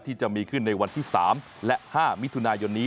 ที่จะมีขึ้นในวันที่๓และ๕มิถุนายนนี้